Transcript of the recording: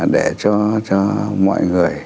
để cho mọi người